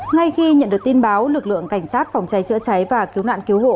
ngay khi nhận được tin báo lực lượng cảnh sát phòng cháy chữa cháy và cứu nạn cứu hộ